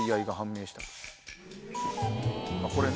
これね。